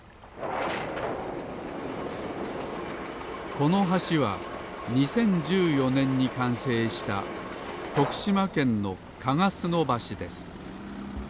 この橋は２０１４ねんにかんせいしたとくしまけんのかがすのばしです